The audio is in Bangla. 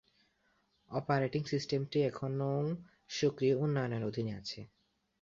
অপারেটিং সিস্টেমটি এখনও সক্রিয় উন্নয়নের অধীনে আছে।